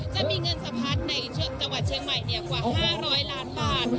จะมีเงินสะพัดในจังหวัดเชียงใหม่กว่า๕๐๐ล้านบาท